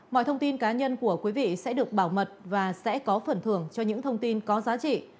mọi thông tin cá nhân của quý vị sẽ được bảo mật và sẽ có phần thưởng cho những thông tin có giá trị